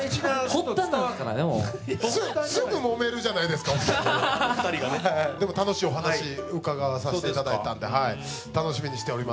発端なんですからねもう発端じゃない２人がねでも楽しいお話伺わさせていただいたんで楽しみにしております